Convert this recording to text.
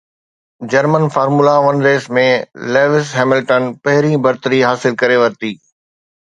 German formula one race ۾ Lewis Hamilton پهرين برتري حاصل ڪري ورتي